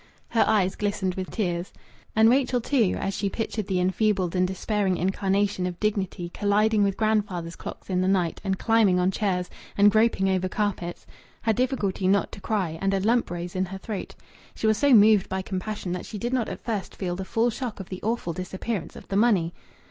Her eyes glistened with tears. And Rachel too, as she pictured the enfeebled and despairing incarnation of dignity colliding with grandfather's clocks in the night and climbing on chairs and groping over carpets, had difficulty not to cry, and a lump rose in her throat. She was so moved by compassion that she did not at first feel the full shock of the awful disappearance of the money.